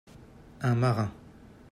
Un marin.